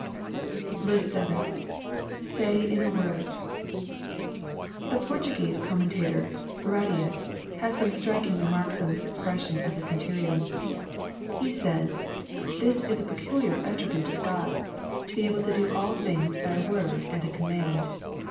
f. — [Say in a word.] The Portuguese Commentator, Barradius, has some striking remarks on this expression of the Centurion's. He says, " This is a peculiar attribute of God's, to be able to do all things by a word and a command.